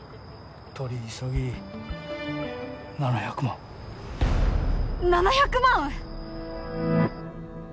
取り急ぎ７００万７００万！？